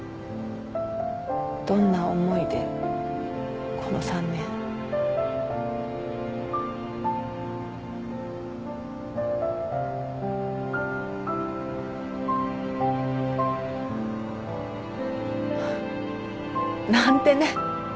どんな思いでこの３年。なんてね。